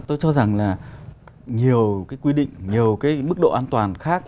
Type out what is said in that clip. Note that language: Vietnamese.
tôi cho rằng là nhiều cái quy định nhiều cái mức độ an toàn khác